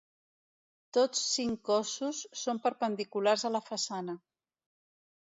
Tots cinc cossos són perpendiculars a la façana.